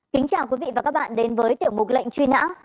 kính chào quý vị và các bạn đến với tiểu mục lệnh truy nã